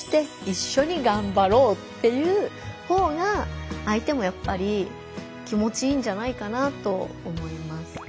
っていうほうが相手もやっぱり気持ちいいんじゃないかなと思います。